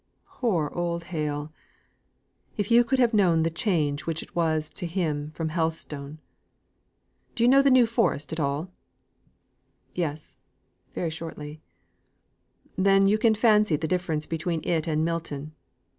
Poor old Hale! If you could have known the change which it was to him from Helstone. Do you know the New Forest at all?" "Yes." (Very shortly.) "Then you can fancy the difference between it and Milton.